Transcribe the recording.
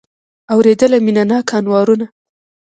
اورېدله مینه ناکه انوارونه